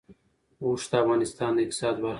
اوښ د افغانستان د اقتصاد برخه ده.